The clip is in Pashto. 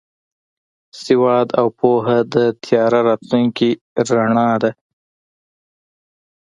سواد او پوهه د تیاره راتلونکي رڼا ده.